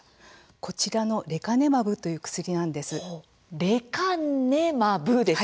こちらのレカネマブという薬なんです。